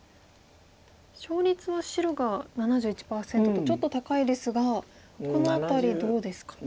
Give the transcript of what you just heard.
勝率は白が７１％とちょっと高いですがこの辺りどうですか？